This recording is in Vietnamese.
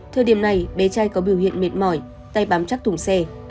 thời điểm này bé trai có biểu hiện mệt mỏi tay bám chắc thùng xe